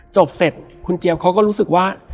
จบเสร็จคุณเจี๊ยบเขาก็รู้สึกว่า